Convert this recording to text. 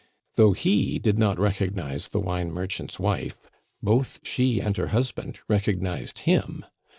Though he did not recognize the wine merchant's wife, both she and her husband recognized him.